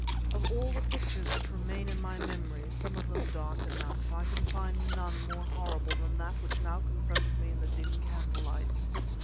Of all the pictures which remain in my memory, some of them dark enough, I can find none more horrible than that which now confronted me in the dim candle light.